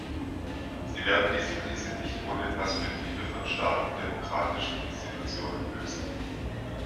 Sie werden diese Krise nicht ohne Perspektive von starken demokratischen Institutionen lösen.